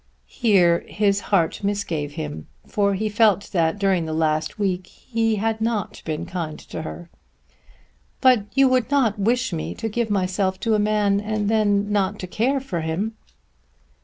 Here his heart misgave him, for he felt that during the last week he had not been kind to her. "But you would not wish me to give myself to a man and then not to care for him."